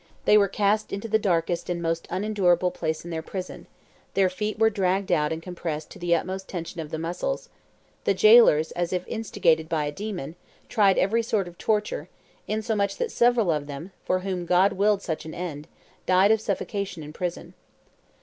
They were cast into the darkest and most unendurable place in their prison; their feet were dragged out and compressed to the utmost tension of the muscles; the jailers, as if instigated by a demon, tried every sort of torture, insomuch that several of them, for whom God willed such an end, died of suffocation in prison.